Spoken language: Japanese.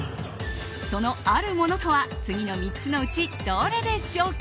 その、あるものとは次の３つのうち、どれでしょうか。